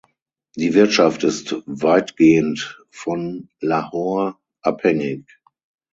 Die Wirtschaft ist weitgehend von Lahore abhängig.